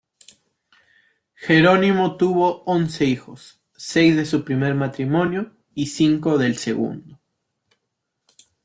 Jerónimo tuvo once hijos, seis de su primer matrimonio y cinco del segundo.